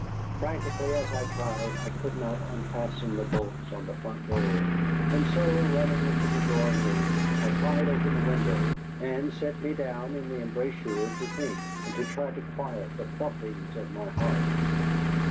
Frantically as I tried, I could not unfasten the bolts on the front door. And so, running into the drawing room, I pried open the window, and sat me down in the embrasure to think, and to try to quiet the thumpings of my heart.